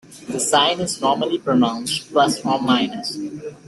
The sign is normally pronounced "plus or minus".